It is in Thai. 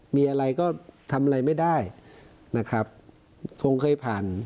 มีอะไรก็ทำอะไรไม่ได้นะครับคงเคยผ่าน